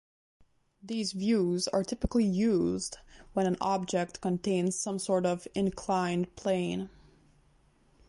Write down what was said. These views are typically used when an object contains some sort of inclined plane.